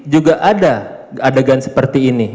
juga ada adegan seperti ini